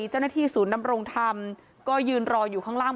เจ้าหน้าที่ศูนย์ดำรงธรรมก็ยืนรออยู่ข้างล่าง